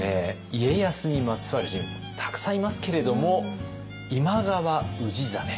家康にまつわる人物たくさんいますけれども今川氏真。